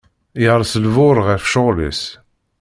Yers lbuṛ ɣef cceɣl is.